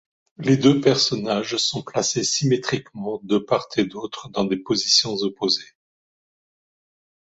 Les deux personnages sont placés symétriquement de part et d'autre dans des positions opposées.